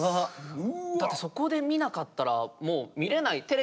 だってそこで見なかったらもう見れないテレビもないし。